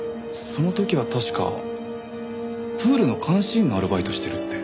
その時は確かプールの監視員のアルバイトをしてるって。